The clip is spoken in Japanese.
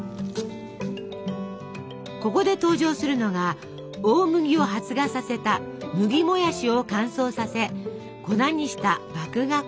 ここで登場するのが大麦を発芽させた「麦もやし」を乾燥させ粉にした麦芽粉。